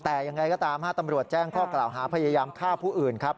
แต่ยังไงก็ตามตำรวจแจ้งข้อกล่าวหาพยายามฆ่าผู้อื่นครับ